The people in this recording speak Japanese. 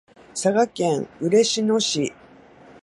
佐賀県嬉野市